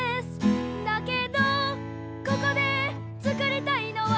「だけどここで作りたいのは」